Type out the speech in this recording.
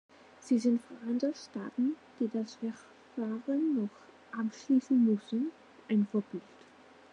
Sie sind für andere Staaten, die das Verfahren noch abschließen müssen, ein Vorbild.